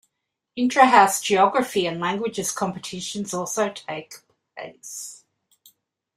Intra-house Geography and Languages competitions also take place.